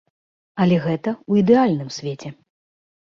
Але гэта ў ідэальным свеце.